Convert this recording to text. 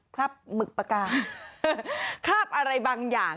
คราบหมึกปากกาคราบอะไรบางอย่าง